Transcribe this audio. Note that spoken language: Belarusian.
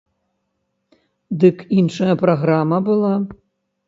Дык іншая праграма была.